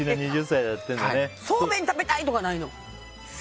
そうめん食べたいとかないの？